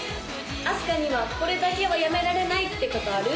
あすかにはこれだけはやめられないってことある？